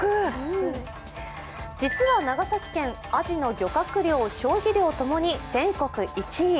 実は長崎県、あじの漁獲量・消費量ともに全国１位。